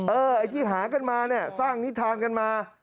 ไอ้ที่หากันมาเนี่ยสร้างนิทานกันมา